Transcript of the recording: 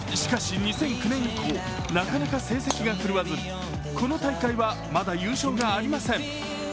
しかし２００９年以降、なかなか成績が振るわずこの大会はまだ優勝がありません。